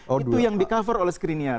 itu yang di cover oleh skriniar